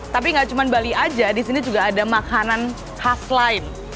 tapi gak cuma bali aja di sini juga ada makanan khas lain